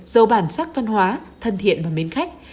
giàu bản sắc văn hóa thân thiện và mến khách